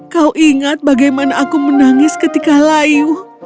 kau ingat bagaimana aku menangis ketika layu